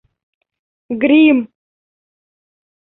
Грим!